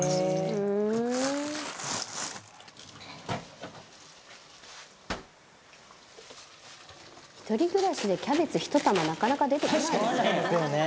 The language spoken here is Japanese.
藤本：一人暮らしでキャベツ１玉なかなか出てこないですよね。